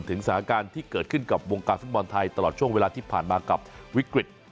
สถานการณ์ที่เกิดขึ้นกับวงการฟุตบอลไทยตลอดช่วงเวลาที่ผ่านมากับวิกฤต